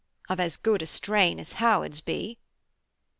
Of as good a strain as Howards be.'